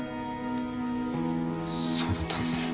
そうだったんすね。